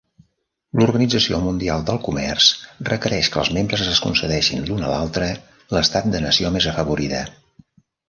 L'Organització Mundial del Comerç requereix que els membres es concedeixin l'un a l'altre l'estat de "nació més afavorida".